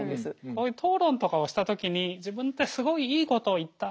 こういう討論とかをした時に自分ってすごいいいことを言った。